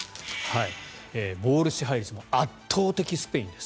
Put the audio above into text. ボール支配率圧倒的にスペインです。